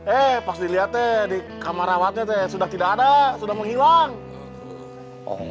eh pas dilihat deh di kamar rawatnya sudah tidak ada sudah menghilang